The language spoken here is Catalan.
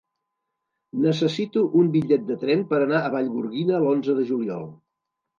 Necessito un bitllet de tren per anar a Vallgorguina l'onze de juliol.